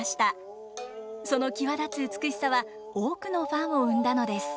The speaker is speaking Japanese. その際立つ美しさは多くのファンを生んだのです。